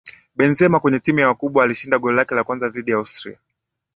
Benzema kwenye timu ya wakubwa alishinda goli lake la kwanza dhidi ya Austria